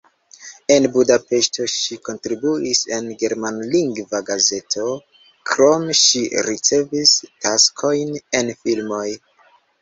En Budapeŝto ŝi kontribuis en germanlingva gazeto, krome ŝi ricevis taskojn en filmoj.